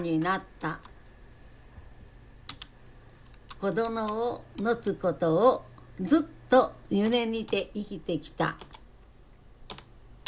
子どもを持つことをずっと夢見て生きてきた。